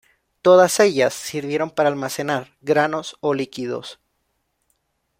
Todas ellas sirvieron para almacenar granos o líquidos.